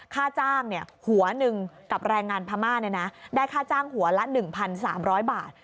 ค่าจ้างหัวหนึ่งกับแรงงานพม่าได้ค่าจ้างหัวละ๑๓๐๐บาท